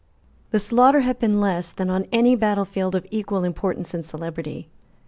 The slaughter had been less than on any battle field of equal importance and celebrity.